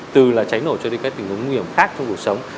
từ cháy nổ cho đến các tình huống nguy hiểm khác trong cuộc sống